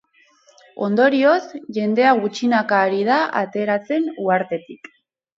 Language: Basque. Ondorioz, jendea gutxinaka ari da ateratzen uhartetik.